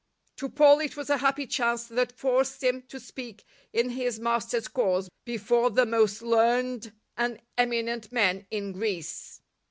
To Paul it was a happy chance that forced him to speak in his Master's cause before the most learned and eminent men in Greece.